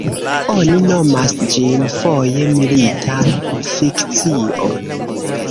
Oni nomas ĝin foje milita fikcio.